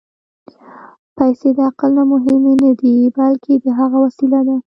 پېسې د عقل نه مهمې نه دي، بلکې د هغه وسیله ده.